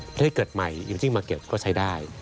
ประเทศเกิดใหม่อิมัจิงมาร์เก็ตก็ใช้ได้